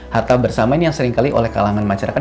harta bersama ini yang seringkali oleh kalangan masyarakat